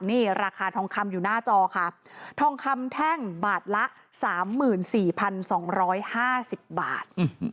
นี่ราคาทองคำอยู่หน้าจอค่ะทองคำแท่งบาทละสามหมื่นสี่พันสองร้อยห้าสิบบาท